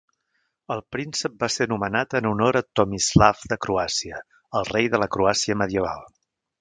El príncep va ser nomenat en honor a Tomislav de Croàcia, el rei de la Croàcia medieval.